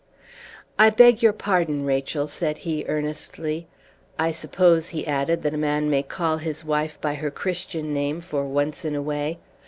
"I beg your pardon, Rachel," said he, earnestly. "I suppose," he added, "that a man may call his wife by her Christian name for once in a way?